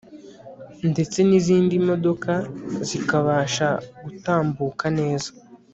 ndetse n'izindi modoka zikabasha gutambuka neza